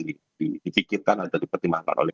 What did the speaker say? dipikirkan atau dipertimbangkan oleh